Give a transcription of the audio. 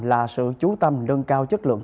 là sự chú tâm nâng cao chất lượng